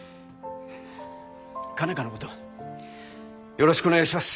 佳奈花のことよろしくお願いします。